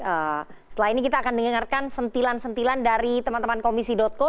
eee setelah ini kita akan dengarkan sentilan sentilan dari teman teman komisi co